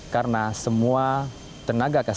karena semua tenaga kesehatan